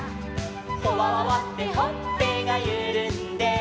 「ほわわわってほっぺがゆるんで」